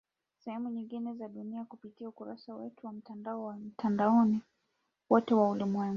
Sehemu nyingine za dunia kupitia ukurasa wetu wa mtandao wa Mtandao Wote wa Ulimwenguni.